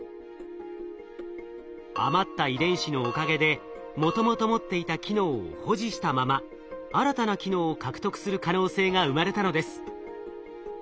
余った遺伝子のおかげでもともと持っていた機能を保持したまま新たな機能を獲得する可能性が生まれたのです。